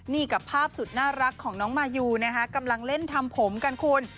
นี่กับภาพสุดน่ารักของน้องมายูนะคะกำลังเล่นทำผมกันคุณ